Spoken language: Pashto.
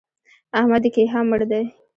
احمد د کيها مړ دی!